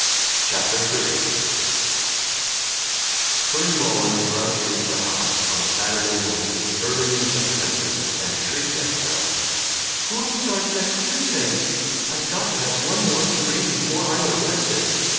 CHAPTER XXX FERN Mullins rushed into the house on a Saturday morning early in September and shrieked at Carol, "School starts next Tuesday. I've got to have one more spree before I'm arrested.